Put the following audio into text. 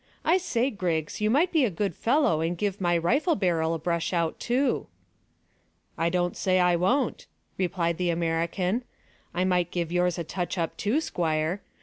I say, Griggs, you might be a good fellow and give my rifle barrel a brush out too." "I don't say I won't," replied the American. "I might give yours a touch up too, squire.